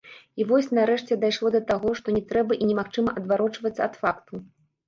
І вось нарэшце дайшло да таго, што не трэба і немагчыма адварочвацца ад факту.